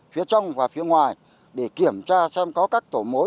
phía trong và phía ngoài để kiểm tra xem có các tổ mối